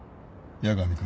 八神君